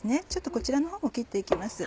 こちらのほうも切って行きます。